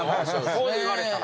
そう言われたら。